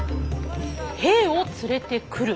兵を連れてくる。